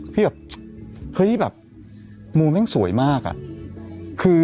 พี่แบบเฮ้ยแบบมูแม่งสวยมากอะ